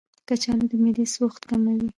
کچالو د معدې سوخت کموي.